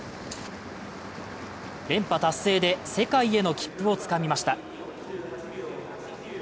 連覇達成で世界への切符をつかみました。